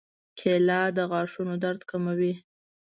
کېله د غاښونو درد کموي.